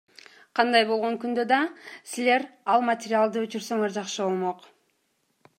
Кандай болгон күндө да силер ал материалды өчүрсөңөр жакшы болмок.